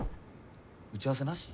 打ち合わせなし？